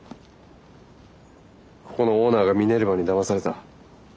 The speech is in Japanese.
ここのオーナーがミネルヴァにだまされた。